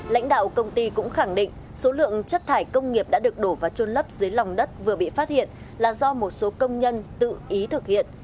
lãnh đạo công ty cũng khẳng định số lượng chất thải công nghiệp đã được đổ và trôn lấp dưới lòng đất vừa bị phát hiện là do một số công nhân tự ý thực hiện